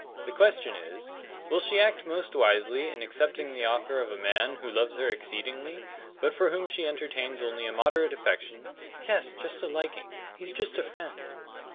The question is, Will she act most wisely in accepting the offer of the man who loves her exceedingly, but for whom she entertains only a moderate affection " "Yes; just a liking. He's just a friend."